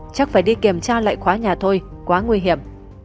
chắc phải đi kiểm tra lại khóa nhà thôi quá nguy hiểm